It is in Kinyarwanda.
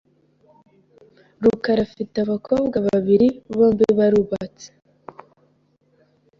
rukara afite abakobwa babiri .Bombi barubatse .